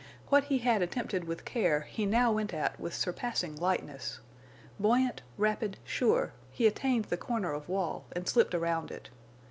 What he had attempted with care he now went at with surpassing lightness. Buoyant, rapid, sure, he attained the corner of wall and slipped around it.